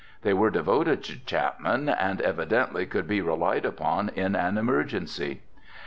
They were devoted to Chapman and evidently could be relied upon in an emergency.